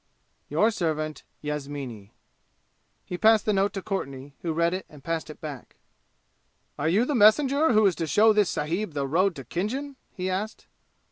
"Your servant, "Ysamini." He passed the note to Courtenay, who read it and passed it back. "Are you the messenger who is to show this sahib the road to Khinjan?" he asked.